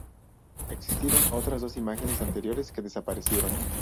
Existieron otras dos imágenes anteriores que desaparecieron.